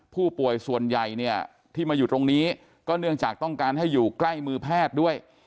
ผู้ป่วยส่วนใหญ่เนี่ยที่มาอยู่ตรงนี้ก็เนื่องจากต้องการให้อยู่ใกล้มือแพทย์ด้วย